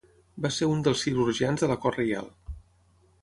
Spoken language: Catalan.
Va ser uns dels cirurgians de la cort reial.